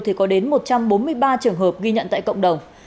thì có đến một trăm bốn mươi ba trường hợp ghi nhận tại cộng đồng